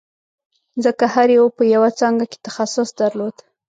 ځکه هر یوه په یوه څانګه کې تخصص درلود